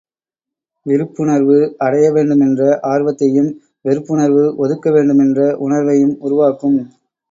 விருப்புணர்வு அடைய வேண்டுமென்ற ஆர்வத்தையும், வெறுப்புணர்வு ஒதுக்க வேண்டுமென்ற உணர்வையும், உருவாக்கும்.